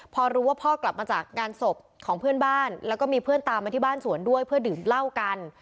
พอรู้ว่าพ่อกลับมาจากงานศพของเพื่อนบ้านแล้วก็มีเพื่อนตามมาที่บ้านสวนด้วยเพื่อดื่มเหล้ากัน